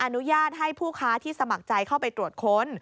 อนุญาตให้ผู้ค้าที่สมัครใจเข้าไปตรวจค้น